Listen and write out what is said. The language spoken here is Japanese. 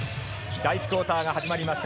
第１クオーターが始まりました。